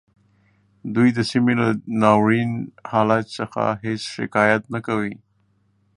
دوی د سیمې له ناوریني حالت څخه هیڅ شکایت نه کوي